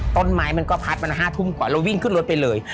ต้นไม้มันก็พัดมัน๕ทุ่มกว่าเราวิ่งขึ้นรถไปเลย